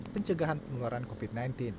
pencegahan penularan covid sembilan belas